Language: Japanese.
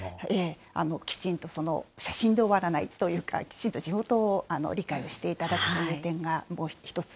きちんと、写真で終わらないというか、きちんと地元を理解をしていただくという点が１つ。